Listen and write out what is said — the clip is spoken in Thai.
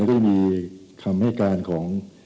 ก็จะมีคำให้การของ